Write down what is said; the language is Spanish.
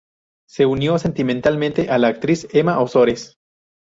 Se unió sentimentalmente a la actriz Emma Ozores.